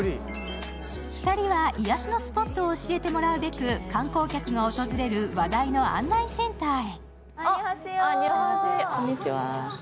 ２人は癒やしのスポットを教えてもらうべく観光客が訪れる話題の案内センターへ。